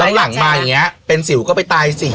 ดูยอดจริงแล้วหล่างมาเป็นสิวก็ไปตายสิ